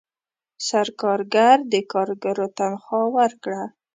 سرکارګر د کارګرو تنخواه ورکړه.